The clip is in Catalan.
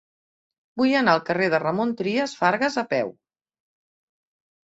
Vull anar al carrer de Ramon Trias Fargas a peu.